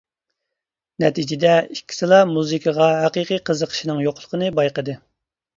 نەتىجىدە ئىككىسىلا مۇزىكىغا ھەقىقىي قىزىقىشىنىڭ يوقلۇقىنى بايقىدى.